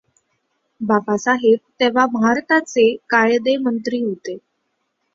बाबासाहेब तेव्हा भारताचे कायदेमंत्री होते.